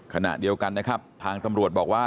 ขณะเดียวกันนะครับทางตำรวจบอกว่า